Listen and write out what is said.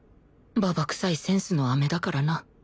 ババくさいセンスのアメだからな